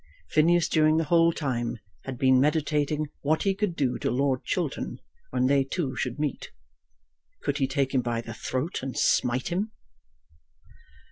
Phineas during the whole time had been meditating what he could do to Lord Chiltern when they two should meet. Could he take him by the throat and smite him?